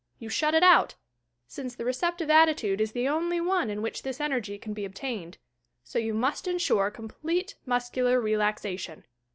You shut it out, since the receptive attitude is the only one in which this energy can be obtained. So you must insure complete muscu lar relaxation.